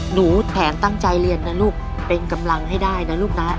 หนูแถมตั้งใจเรียนนะลูกเป็นกำลังให้ได้นะลูกนะ